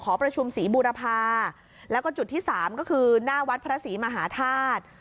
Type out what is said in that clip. ประชุมศรีบูรพาแล้วก็จุดที่สามก็คือหน้าวัดพระศรีมหาธาตุ